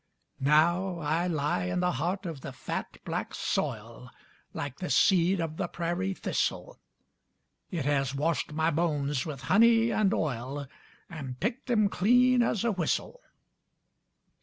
Now I lie in the heart of the fat, black soil, Like the seed of the prairie thistle; It has washed my bones with honey and oil And picked them clean as a whistle.